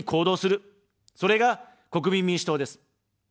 それが、国民民主党です。